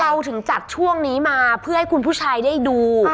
เราถึงจัดช่วงนี้มาเพื่อให้คุณผู้ชายได้ดู